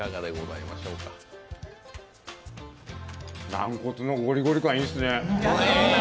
軟骨のコリコリ感いいですね。